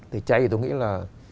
tẩy chay thì tôi nghĩ là